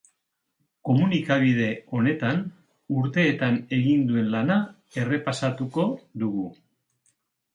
Komunikabide honetan urteetan egin duen lana errepasatuko du.